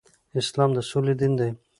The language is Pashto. اسلام د سولې دين دی